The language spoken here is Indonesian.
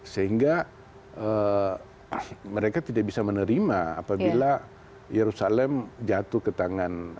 sehingga mereka tidak bisa menerima apabila yerusalem jatuh ke tangan